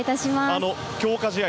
強化試合